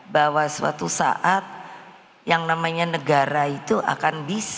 bahwa suatu saat yang namanya negara itu akan bisa